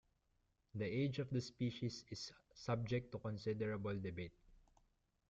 The age of the species is subject to considerable debate.